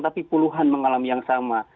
tapi puluhan mengalami yang sama